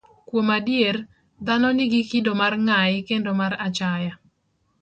Kuom adier, dhano nigi kido mar ng'ayi kendo mar achaya.